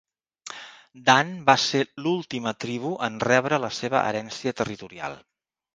Dan va ser l"última tribu en rebre la seva herència territorial.